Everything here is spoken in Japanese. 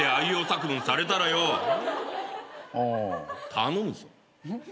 頼むぞ。